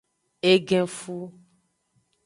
Egenfu.